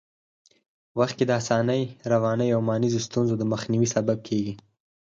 وخت کي د اسانۍ، روانۍ او مانیزو ستونزو د مخنیوي سبب کېږي.